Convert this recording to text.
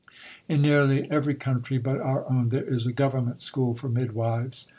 In nearly every country but our own there is a Government School for Midwives.